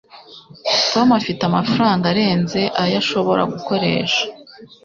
tom afite amafaranga arenze ayo ashobora gukoresha